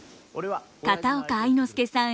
片岡愛之助さん